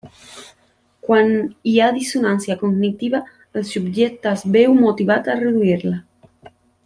Quan hi ha dissonància cognitiva, el subjecte es veu motivat a reduir-la.